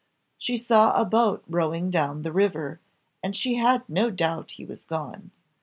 She saw a boat rowing down the river, and she had no doubt he was gone.